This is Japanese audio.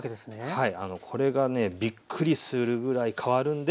はい。